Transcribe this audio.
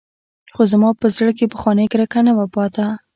خو زما په زړه کښې پخوانۍ کرکه نه وه پاته.